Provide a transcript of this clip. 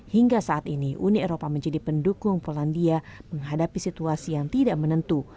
hingga saat ini uni eropa menjadi pendukung polandia menghadapi situasi yang tidak menentu